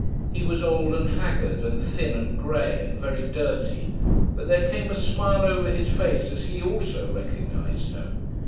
He was old and haggard, and thin, and grey, and very dirty; but there came a smile over his face as he also recognised her.